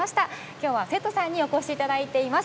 今日は、生徒さんにお越しいただいています。